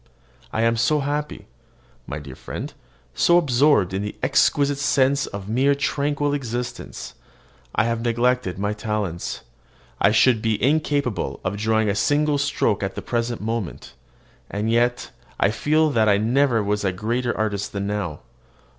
I am so happy, my dear friend, so absorbed in the exquisite sense of mere tranquil existence, that I neglect my talents. I should be incapable of drawing a single stroke at the present moment; and yet I feel that I never was a greater artist than now.